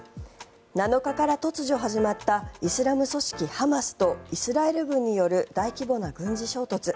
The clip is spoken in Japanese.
７日から突如始まったイスラム組織ハマスとイスラエル軍による大規模な軍事衝突。